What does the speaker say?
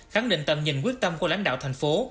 khẳng định tầm nhìn quyết tâm của lãnh đạo thành phố